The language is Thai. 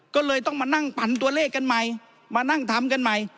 ก็เลยต้องมานั่งปั่นตัวเลขกันใหม่มานั่งทำกันใหม่